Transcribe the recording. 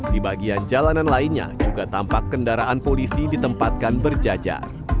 di bagian jalanan lainnya juga tampak kendaraan polisi ditempatkan berjajar